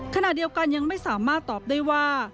ขณะเดียวกันยังไม่สามารถตอบได้ว่า